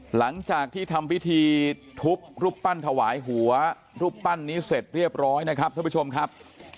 หลังจากที่ทำพิธีทุบรูปปั้นถวายหัวรูปปั้นนี้เสร็จเรียบร้อยนะครับท่านผู้ชมครับ